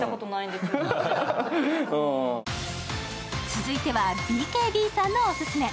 続いてはＢＫＢさんのオススメ。